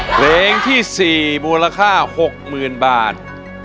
เพลงที่๔มูลค่า๖๐๐๐บาท